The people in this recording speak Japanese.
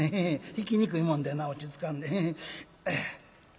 弾きにくいもんでな落ち着かんで。